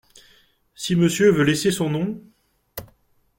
Si Monsieur veut laisser son nom ?